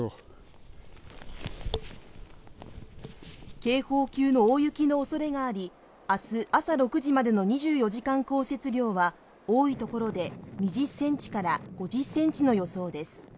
警報級の大雪の恐れがあり明日朝６時までの２４時間降雪量は多い所で２０センチから５０センチの予想です